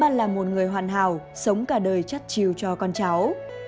với chị bà là một người hoàn hảo sống cả đời chắc chiều cho con cháu